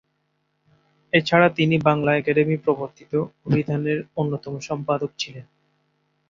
এছাড়া তিনি বাংলা একাডেমি প্রবর্তিত অভিধানের অন্যতম সম্পাদক ছিলেন।